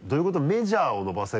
メジャーを伸ばせるって。